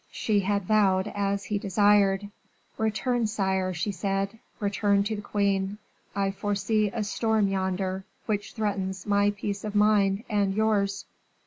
She had vowed as he desired. "Return, sire," she said, "return to the queen. I foresee a storm yonder, which threatens my peace of mind and yours."